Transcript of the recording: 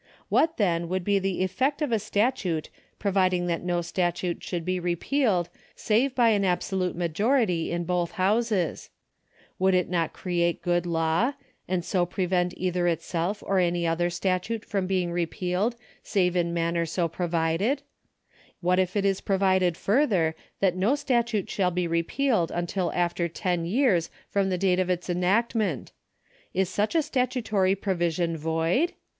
What, then, would be the effect of a statute providing that no statute should be repealed save by an abso lute majority in both Houses ? .Would it not create good law, and .so pre vent either itself or any other statute from being repealed .save in manner so provided ? Wh6,t if it is provided further, that no statute shall be, repealed until after ten years from the date of its enactment ? Is such a statutory provision void